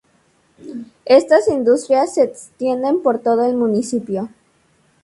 Estas industrias se extienden por todo el municipio.